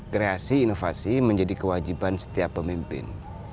kreasi inovasi menjadi kewajiban setiap pemimpin